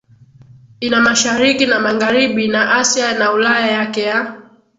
ina Mashariki na Magharibi na Asia na Ulaya Yake ya